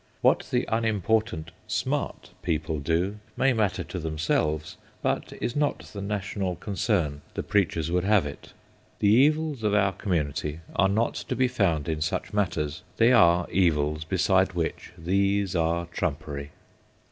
What the unimportant ' smart ' people do may matter to themselves, but is not the national concern the preachers would have it. The evils of our community are not to be found in such matters they are evils beside which these are trumpery.